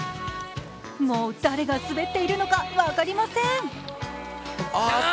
もう、誰が滑っているのか、分かりません。